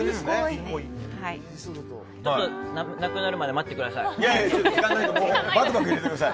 なくなるまで待ってください。